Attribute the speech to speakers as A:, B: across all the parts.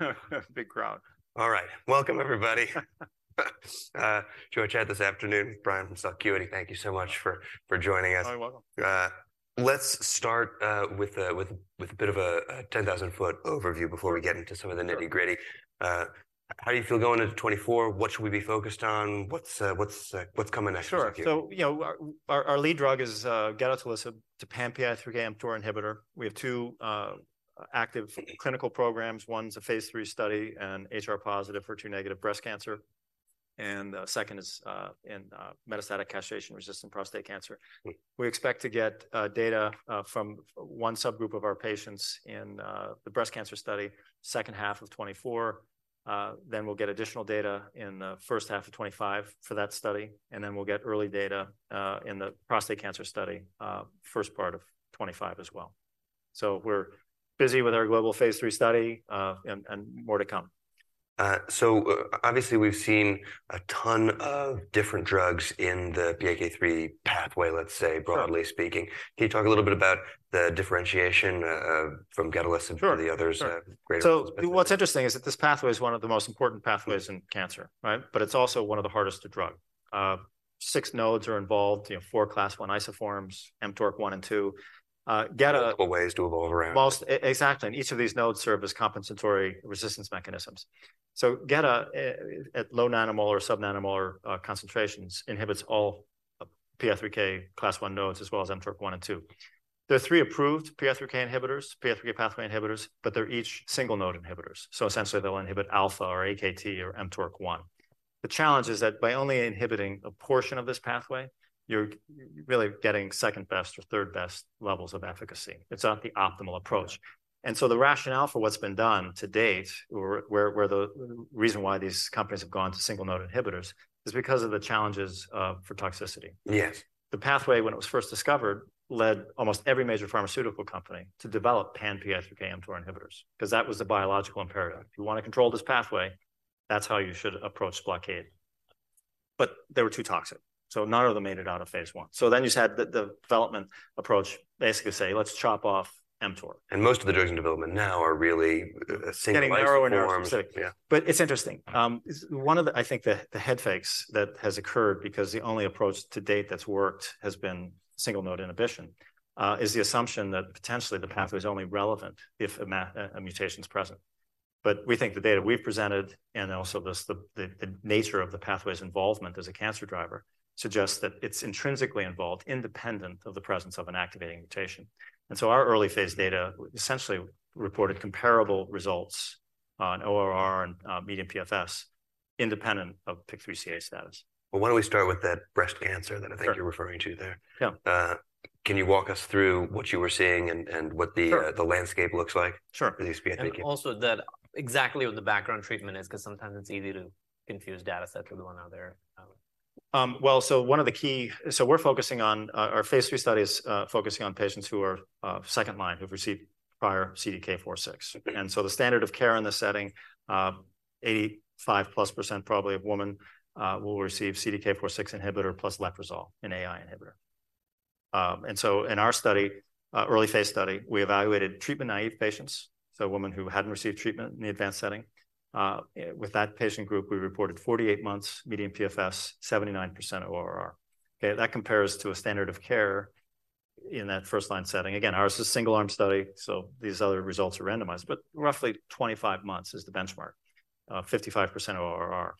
A: All right.
B: Big crowd.
A: All right. Welcome, everybody. To our chat this afternoon, Brian, Celcuity, thank you so much for joining us.
B: Oh, you're welcome.
A: Let's start with a bit of a ten-thousand-foot overview before we get into some of the nitty-gritty.
B: Sure.
A: How do you feel going into 2024? What should we be focused on? What's coming next for you?
B: Sure. So, you know, our lead drug is gedatolisib, a pan-PI3K/mTOR inhibitor. We have two active clinical programs. One's a phase 3 study in HR-positive, HER2-negative breast cancer, and the second is in metastatic castration-resistant prostate cancer. We expect to get data from one subgroup of our patients in the breast cancer study, second half of 2024. Then we'll get additional data in the first half of 2025 for that study, and then we'll get early data in the prostate cancer study, first part of 2025 as well. So we're busy with our global phase 3 study, and more to come.
A: So obviously, we've seen a ton of different drugs in the PI3K pathway, let's say-
B: Sure...
A: broadly speaking. Can you talk a little bit about the differentiation from gedatolisib-
B: Sure
A: - and the others? greater-
B: So what's interesting is that this pathway is one of the most important pathways in cancer, right? But it's also one of the hardest to drug. 6 nodes are involved, you know, 4 class I isoforms, mTOR 1 and 2.
A: Couple ways to evolve around.
B: Well, exactly, and each of these nodes serve as compensatory resistance mechanisms. So gedatolisib at low nanomolar or sub-nanomolar concentrations inhibits all PI3K class I nodes, as well as mTOR 1 and 2. There are 3 approved PI3K inhibitors, PI3K pathway inhibitors, but they're each single-node inhibitors, so essentially, they'll inhibit alpha, or AKT, or mTOR 1. The challenge is that by only inhibiting a portion of this pathway, you're really getting second-best or third-best levels of efficacy. It's not the optimal approach. And so the rationale for what's been done to date, or where the reason why these companies have gone to single-node inhibitors, is because of the challenges for toxicity.
A: Yes.
B: The pathway, when it was first discovered, led almost every major pharmaceutical company to develop pan PI3K/mTOR inhibitors, 'cause that was the biological imperative. If you want to control this pathway, that's how you should approach blockade. But they were too toxic, so none of them made it out of phase I. So then you just had the development approach basically say, "Let's chop off mTOR.
A: Most of the drugs in development now are really single isoforms.
B: Getting narrower and more specific.
A: Yeah.
B: But it's interesting. One of the, I think, the head fakes that has occurred, because the only approach to date that's worked has been single-node inhibition, is the assumption that potentially the pathway is only relevant if a mutation is present. But we think the data we've presented, and also the nature of the pathway's involvement as a cancer driver, suggests that it's intrinsically involved, independent of the presence of an activating mutation. And so our early phase data essentially reported comparable results on ORR and median PFS, independent of PIK3CA status.
A: Well, why don't we start with that breast cancer-
B: Sure...
A: that I think you're referring to there?
B: Yeah.
A: Can you walk us through what you were seeing and what the-
B: Sure...
A: the landscape looks like?
B: Sure.
A: With these PI3K.
C: And also that, exactly what the background treatment is, 'cause sometimes it's easy to confuse dataset with the one out there.
B: Well, so we're focusing on our phase 3 study is focusing on patients who are second-line, who've received prior CDK 4/6. So the standard of care in this setting, 85%+ probably of women will receive CDK 4/6 inhibitor plus letrozole, an AI inhibitor. And so in our study, early phase study, we evaluated treatment-naive patients, so women who hadn't received treatment in the advanced setting. With that patient group, we reported 48 months median PFS, 79% ORR. Okay, that compares to a standard of care in that first-line setting. Again, ours is a single-arm study, so these other results are randomized, but roughly 25 months is the benchmark, 55% ORR.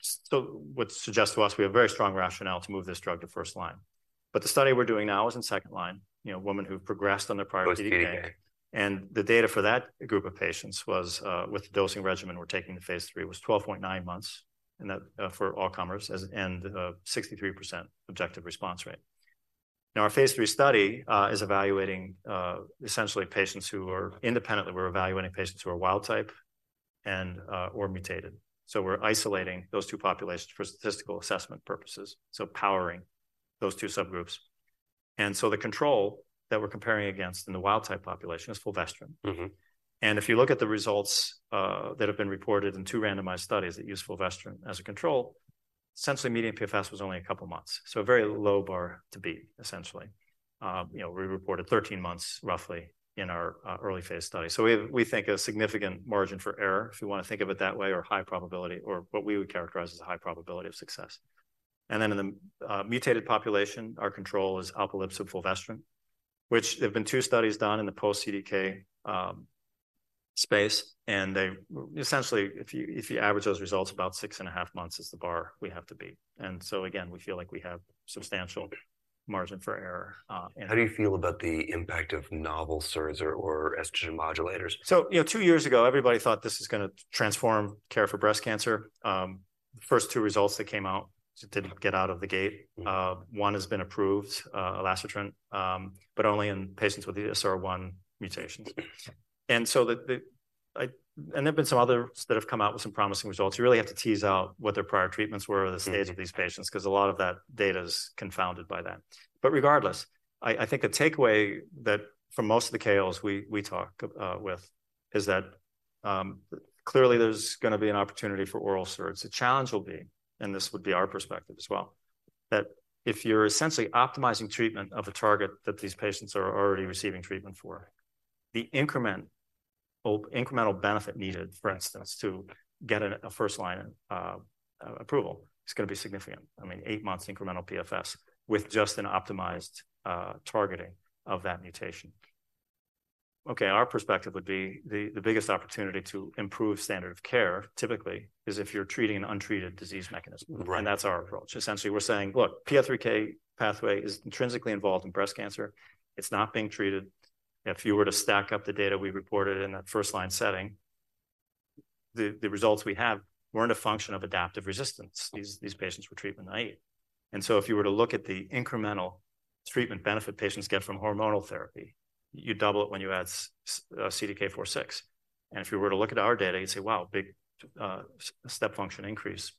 B: So would suggest to us we have very strong rationale to move this drug to first line. But the study we're doing now is in second line, you know, women who've progressed on their prior CDK.
A: CDK.
B: The data for that group of patients was, with the dosing regimen we're taking to phase 3, was 12.9 months, and that, for all comers, 63% objective response rate. Now, our phase 3 study is evaluating, essentially, independently, we're evaluating patients who are wild-type and or mutated. So we're isolating those two populations for statistical assessment purposes, so powering those two subgroups. And so the control that we're comparing against in the wild-type population is fulvestrant.
A: Mm-hmm.
B: If you look at the results that have been reported in two randomized studies that use fulvestrant as a control, essentially, median PFS was only a couple of months. So a very low bar to beat, essentially. You know, we reported 13 months, roughly, in our early phase study. So we think a significant margin for error, if you want to think of it that way, or high probability, or what we would characterize as a high probability of success. And then in the mutated population, our control is alpelisib fulvestrant, which there have been two studies done in the post-CDK space, and essentially, if you average those results, about 6.5 months is the bar we have to beat. And so again, we feel like we have substantial margin for error, in-
A: How do you feel about the impact of novel SERDs or estrogen modulators?
B: So, you know, two years ago, everybody thought this is gonna transform care for breast cancer. The first two results that came out didn't get out of the gate.
A: Mm-hmm.
B: One has been approved, elacestrant, but only in patients with the ESR1 mutations. And so there have been some others that have come out with some promising results. You really have to tease out what their prior treatments were or the-
A: Mm-hmm...
B: stage of these patients, because a lot of that data is confounded by that. But regardless, I think the takeaway that for most of the KOLs we talk with is that clearly there's gonna be an opportunity for oral SERDs. The challenge will be, and this would be our perspective as well, that if you're essentially optimizing treatment of a target that these patients are already receiving treatment for, the increment or incremental benefit needed, for instance, to get a first-line approval is gonna be significant. I mean, eight months incremental PFS with just an optimized targeting of that mutation. Okay, our perspective would be the biggest opportunity to improve standard of care, typically, is if you're treating an untreated disease mechanism.
A: Right.
B: That's our approach. Essentially, we're saying: Look, PI3K pathway is intrinsically involved in breast cancer. It's not being treated. If you were to stack up the data we reported in that first-line setting, the results we have weren't a function of adaptive resistance. These patients were treatment-naïve. So if you were to look at the incremental treatment benefit patients get from hormonal therapy, you double it when you add CDK4/6. If you were to look at our data, you'd say, "Wow, big step function increase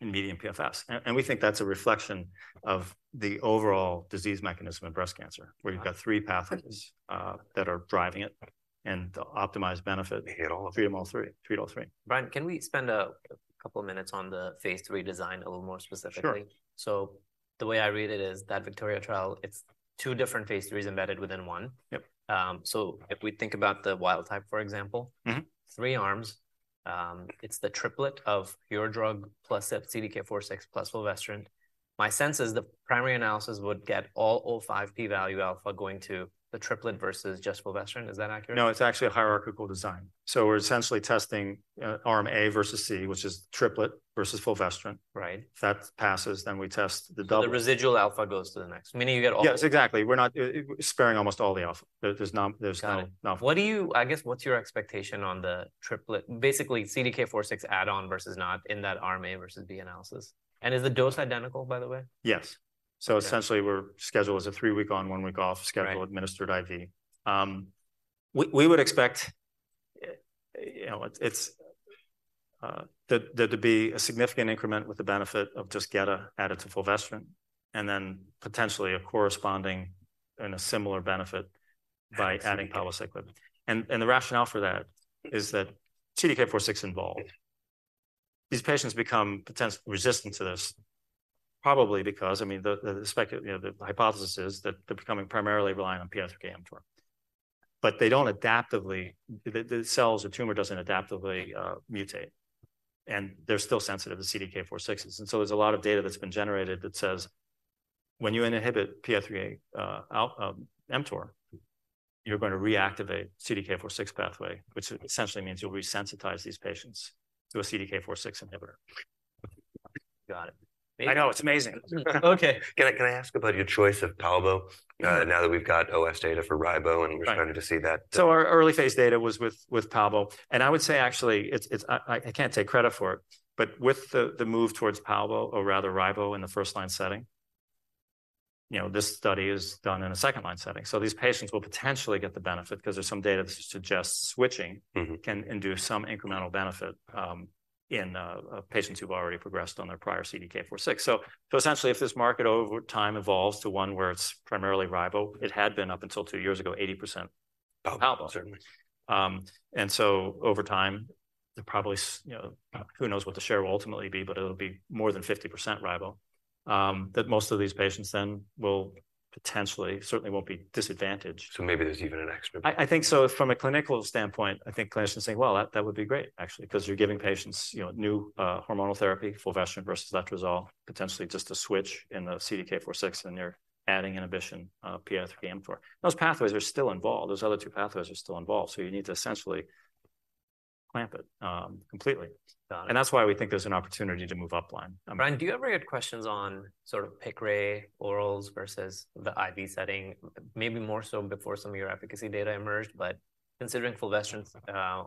B: in median PFS." We think that's a reflection of the overall disease mechanism in breast cancer, where you've got three pathways that are driving it, and the optimized benefit-
A: You hit all of them.
B: Treat them all three. Treat all three.
C: Brian, can we spend a couple of minutes on the phase 3 design a little more specifically?
B: Sure.
C: The way I read it is that the VIKTORIA trial, it's two different phase 3s embedded within one.
B: Yep.
C: If we think about the wild type, for example-
B: Mm-hmm....
C: three arms, it's the triplet of your drug plus CDK4/6 plus fulvestrant. My sense is the primary analysis would get all 0.05 p-value alpha going to the triplet versus just fulvestrant. Is that accurate?
B: No, it's actually a hierarchical design. So we're essentially testing arm A versus C, which is triplet versus fulvestrant.
C: Right.
B: If that passes, then we test the double-
C: The residual alpha goes to the next, meaning you get all-
B: Yes, exactly. We're not sparing almost all the alpha. There's not, there's kind of nothing.
C: Got it. What do you-- I guess, what's your expectation on the triplet? Basically, CDK4/6 add-on versus not in that arm A versus B analysis. And is the dose identical, by the way?
B: Yes.
C: Okay.
B: So essentially, our schedule is a 3-week on, 1-week off schedule.
C: Right...
B: administered IV. We would expect, you know, it's that there to be a significant increment with the benefit of just gedatolisib added to fulvestrant, and then potentially a corresponding and a similar benefit-
C: I see.
B: By adding palbociclib. The rationale for that is that CDK4/6 involved. These patients become potentially resistant to this, probably because, I mean, you know, the hypothesis is that they're becoming primarily reliant on PI3K/mTOR, but they don't adaptively, the tumor doesn't adaptively mutate, and they're still sensitive to CDK4/6s. And so there's a lot of data that's been generated that says, "When you inhibit PI3K, AKT, mTOR, you're going to reactivate CDK4/6 pathway, which essentially means you'll resensitize these patients to a CDK4/6 inhibitor.
C: Got it.
B: I know, it's amazing.
C: Okay.
A: Can I ask about your choice of palbo?
B: Mm-hmm.
A: Now that we've got OS data for ribo-
B: Right...
A: and we're starting to see that.
B: So our early phase data was with palbo. And I would say, actually, I can't take credit for it, but with the move towards palbo, or rather ribo, in the first-line setting, you know, this study is done in a second-line setting. So these patients will potentially get the benefit because there's some data that suggests switching-
A: Mm-hmm...
B: can induce some incremental benefit, in patients who've already progressed on their prior CDK4/6. So essentially, if this market over time evolves to one where it's primarily ribo, it had been up until two years ago, 80% palbo.
A: Certainly.
B: And so over time, probably you know, who knows what the share will ultimately be, but it'll be more than 50% ribo. That most of these patients then will potentially, certainly won't be disadvantaged.
A: Maybe there's even an extra-
B: I think so from a clinical standpoint. I think clinicians are saying, "Well, that would be great, actually," because you're giving patients, you know, new hormonal therapy, fulvestrant versus letrozole, potentially just a switch in the CDK4/6, and you're adding inhibition, PI3K. Those pathways are still involved. Those other two pathways are still involved, so you need to essentially clamp it completely. And that's why we think there's an opportunity to move upline.
C: Brian, do you ever get questions on sort of Piqray orals versus the IV setting? Maybe more so before some of your efficacy data emerged, but considering fulvestrant's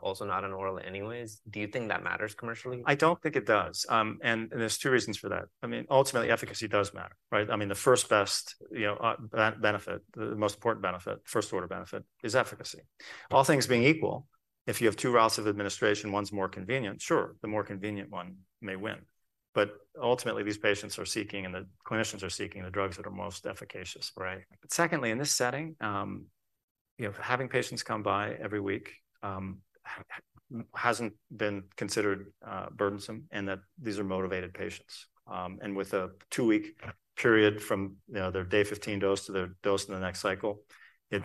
C: also not an oral anyways, do you think that matters commercially?
B: I don't think it does. And there's 2 reasons for that. I mean, ultimately, efficacy does matter, right? I mean, the first best, you know, benefit, the most important benefit, first order benefit, is efficacy. All things being equal, if you have 2 routes of administration, one's more convenient, sure, the more convenient one may win. But ultimately, these patients are seeking, and the clinicians are seeking the drugs that are most efficacious, right? Secondly, in this setting, you know, having patients come by every week hasn't been considered burdensome, and that these are motivated patients. And with a two-week period from, you know, their day 15 dose to their dose in the next cycle, it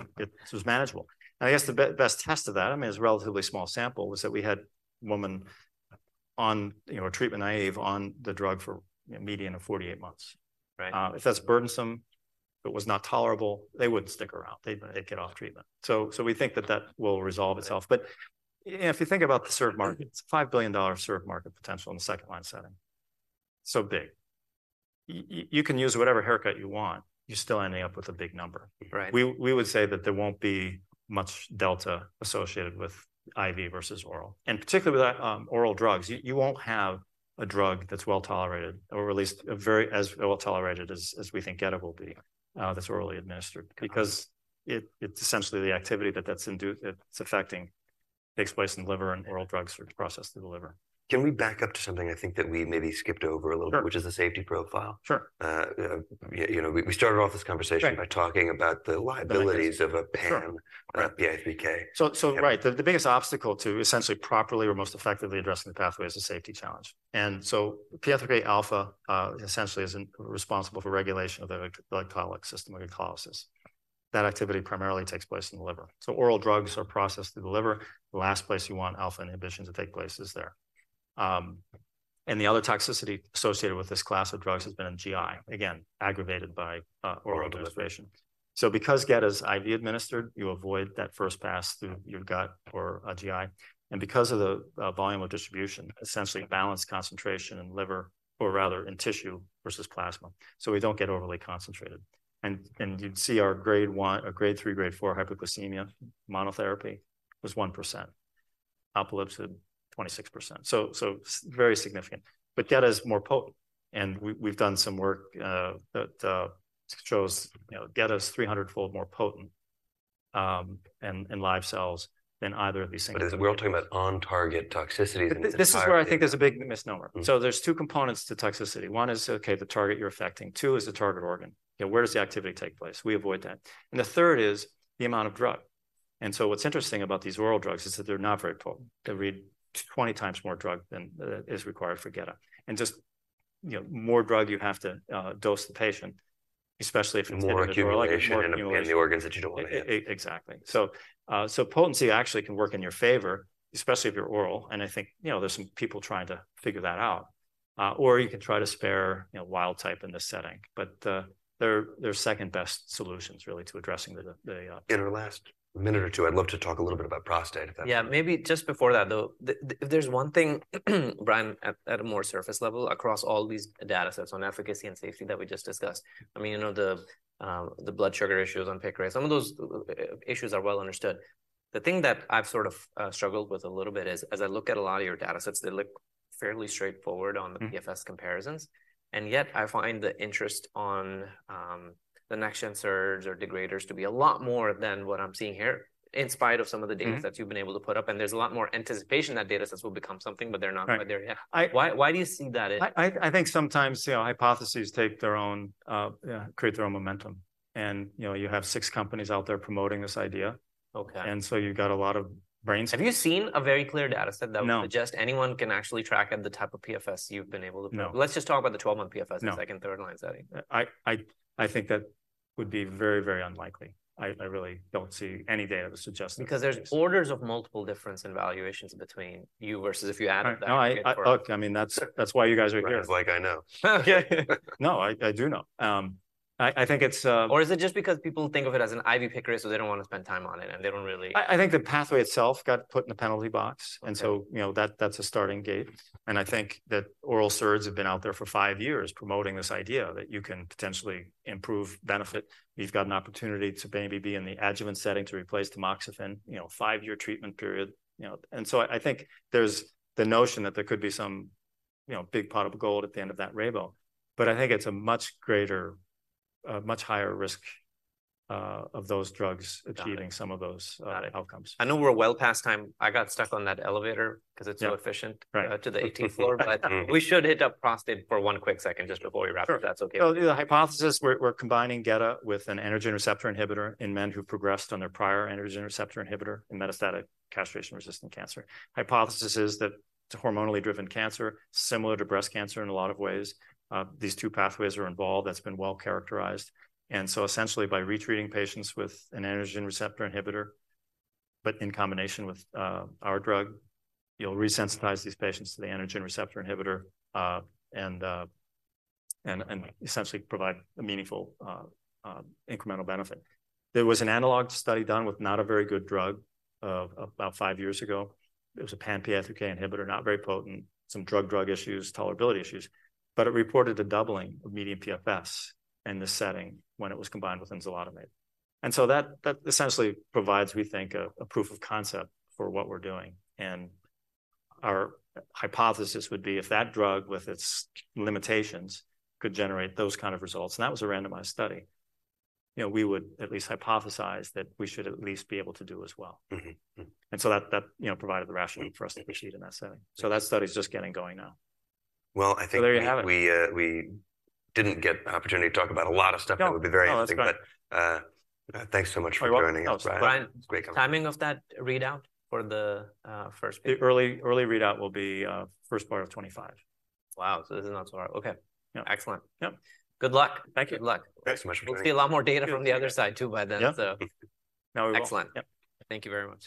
B: was manageable. I guess the best test of that, I mean, it's a relatively small sample, was that we had women on, you know, treatment naive on the drug for a median of 48 months.
C: Right.
B: If that's burdensome, if it was not tolerable, they wouldn't stick around. They'd get off treatment. So we think that that will resolve itself. But, yeah, if you think about the served market, it's a $5 billion served market potential in the second line setting. So big. You can use whatever haircut you want, you're still ending up with a big number.
C: Right.
B: We would say that there won't be much delta associated with IV versus oral. And particularly with oral drugs, you won't have a drug that's well-tolerated, or at least as well-tolerated as we think gedatolisib will be, that's orally administered, because the activity that's affecting takes place in the liver and oral drugs are processed through the liver.
A: Can we back up to something I think that we maybe skipped over a little bit-
B: Sure...
A: which is the safety profile?
B: Sure.
A: You know, we started off this conversation-
B: Right...
A: by talking about the liabilities-
B: Sure...
A: of a pan-PI3K.
B: So, right. The biggest obstacle to essentially properly or most effectively addressing the pathway is the safety challenge. And so PI3K alpha essentially is responsible for regulation of the glycolytic system or glycolysis... that activity primarily takes place in the liver. So oral drugs are processed through the liver. The last place you want alpha inhibition to take place is there. And the other toxicity associated with this class of drugs has been in GI, again, aggravated by oral administration. So because geda is IV administered, you avoid that first pass through your gut or GI, and because of the volume of distribution, essentially balanced concentration in liver, or rather in tissue versus plasma, so we don't get overly concentrated. And you'd see our grade one or grade three, grade four hyperglycemia monotherapy was 1%; palbociclib, 26%. So, very significant. But geda is more potent, and we've done some work that shows, you know, geda is 300-fold more potent in live cells than either of these single-
A: But we're all talking about on-target toxicities, and this is where-
B: This is where I think there's a big misnomer.
A: Mm.
B: There's two components to toxicity. One is, okay, the target you're affecting. Two is the target organ. You know, where does the activity take place? We avoid that. And the third is the amount of drug. And so what's interesting about these oral drugs is that they're not very potent. They need 20 times more drug than is required for geda. And just, you know, more drug you have to dose the patient, especially if it's-
A: More accumulation-
B: more in the organs...
A: in the organs that you don't want to hit.
B: Exactly. So, potency actually can work in your favor, especially if you're oral, and I think, you know, there's some people trying to figure that out. Or you can try to spare, you know, wild type in this setting, but, they're second-best solutions really to addressing the,
A: In our last minute or two, I'd love to talk a little bit about prostate, if that-
C: Yeah, maybe just before that, though, the if there's one thing, Brian, at a more surface level, across all these data sets on efficacy and safety that we just discussed, I mean, you know, the blood sugar issues on Piqray, some of those issues are well understood. The thing that I've sort of struggled with a little bit is, as I look at a lot of your data sets, they look fairly straightforward on the-
B: Mm...
C: PFS comparisons, and yet I find the interest on, the next-gen SERDs or degraders to be a lot more than what I'm seeing here, in spite of some of the data-
B: Mm...
C: that you've been able to put up. And there's a lot more anticipation that data sets will become something, but they're not-
B: Right.
C: But they're... Yeah.
B: I-
C: Why, why do you see that in?
B: I think sometimes, you know, hypotheses create their own momentum, and, you know, you have six companies out there promoting this idea.
C: Okay.
B: And so you've got a lot of brains-
C: Have you seen a very clear data set?
B: No...
C: that would suggest anyone can actually track at the type of PFS you've been able to put?
B: No.
C: Let's just talk about the 12-month PFS-
B: No...
C: in second, third-line setting.
B: I think that would be very, very unlikely. I really don't see any data that suggests-
C: Because there's orders of multiple difference in valuations between you versus if you added-
B: No, I look, I mean, that's why you guys are here.
A: Sounds like I know.
B: No, I do know. I think it's
C: Or is it just because people think of it as an IV Piqray, so they don't wanna spend time on it, and they don't really-
B: I think the pathway itself got put in the penalty box-
C: Okay...
B: and so, you know, that, that's a starting gate. And I think that oral SERDs have been out there for five years promoting this idea that you can potentially improve benefit. We've got an opportunity to maybe be in the adjuvant setting to replace tamoxifen, you know, five-year treatment period, you know. And so I think there's the notion that there could be some, you know, big pot of gold at the end of that rainbow, but I think it's a much higher risk of those drugs-
C: Got it...
B: achieving some of those,
C: Got it...
B: outcomes.
C: I know we're well past time. I got stuck on that elevator 'cause it's-
B: Yeah...
C: so efficient-
B: Right...
C: to the eighteenth floor. But we should hit up prostate for one quick second just before we wrap up-
B: Sure...
C: if that's okay?
B: So the hypothesis, we're combining gedatolisib with an androgen receptor inhibitor in men who progressed on their prior androgen receptor inhibitor in metastatic castration-resistant cancer. Hypothesis is that it's a hormonally driven cancer, similar to breast cancer in a lot of ways. These two pathways are involved. That's been well-characterized. And so essentially, by retreating patients with an androgen receptor inhibitor, but in combination with our drug, you'll resensitize these patients to the androgen receptor inhibitor and essentially provide a meaningful incremental benefit. There was an analog study done with not a very good drug about five years ago. It was a pan-PI3K inhibitor, not very potent, some drug-drug issues, tolerability issues, but it reported a doubling of median PFS in this setting when it was combined with enzalutamide. So that essentially provides, we think, a proof of concept for what we're doing. Our hypothesis would be, if that drug with its limitations could generate those kind of results, and that was a randomized study, you know, we would at least hypothesize that we should at least be able to do as well.
A: Mm-hmm. Mm.
B: And so that you know, provided the rationale-
A: Mm...
B: for us to proceed in that setting. So that study's just getting going now.
A: Well, I think-
B: There you have it....
A: we, we didn't get an opportunity to talk about a lot of stuff-
B: No...
A: that would be very interesting.
B: No, that's fine.
A: But, thanks so much for joining us.
B: You're welcome.
A: Brian-
B: Brian-
A: It was great talking....
B: timing of that readout for the, first-
A: Early, early readout will be first part of 2025.
C: Wow, so this is not so far. Okay.
B: Yeah.
C: Excellent.
B: Yep.
C: Good luck.
B: Thank you.
C: Good luck.
A: Thanks so much.
C: We'll see a lot more data from the other side, too, by then, so-
B: Yep. No, we will.
C: Excellent.
B: Yep.
C: Thank you very much.